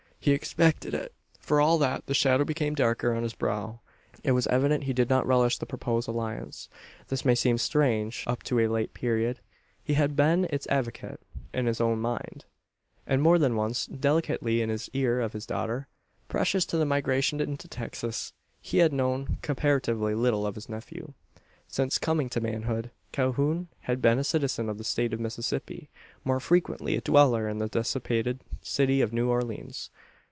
He expected it. For all that, the shadow became darker on his brow. It was evident he did not relish the proposed alliance. This may seem strange. Up to a late period, he had been its advocate in his own mind and more than once, delicately, in the ear of his daughter. Previous to the migration into Texas, he had known comparatively little of his nephew. Since coming to manhood, Calhoun had been a citizen of the state of Mississippi more frequently a dweller in the dissipated city of New Orleans.